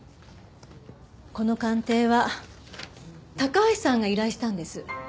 この鑑定は高橋さんが依頼したんです。